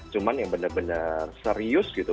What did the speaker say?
cuman yang benar benar serius gitu